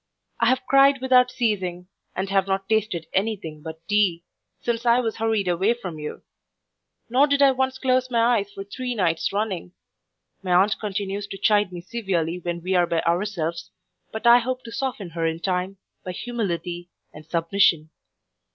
I have cried without ceasing, and have not tasted any thing but tea, since I was hurried away from you; nor did I once close my eyes for three nights running. My aunt continues to chide me severely when we are by ourselves; but I hope to soften her in time, by humility and submission.